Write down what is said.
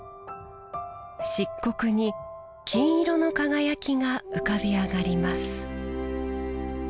漆黒に金色の輝きが浮かび上がります